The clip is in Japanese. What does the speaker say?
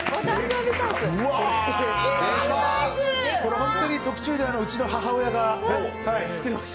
本当に特注でうちの母親が作りました。